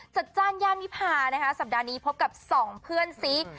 จ้านย่านวิพานะคะสัปดาห์นี้พบกับสองเพื่อนซีก